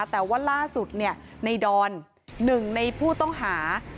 แต่ว่าล่าสุดในดอนหนึ่งในผู้ต้องหา